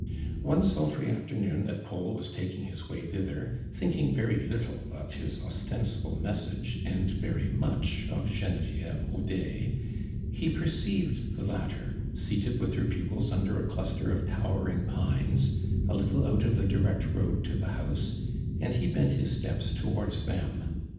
One sultiy afternoon that Paul was tak ing his way thither, thinking very little of his ostensible message and very mucli of < icnevievc Audet, he perceived the latter, seafced with her pupils under a cluster of towering pines, a little out of the direct road to the house, and he bent his steps towards them.